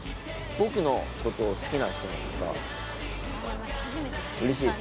僕のことを好きな人なんですか？